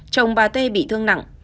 chồng bà t bị thương nặng